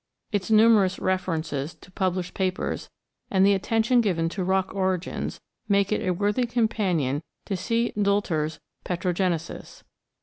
Its numerous references to published papers, and the attention given to rock origins, make it a worthy companion to C. Doelter's Petrogenesis.